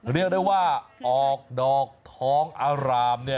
เรียกได้ว่าออกดอกท้องอราม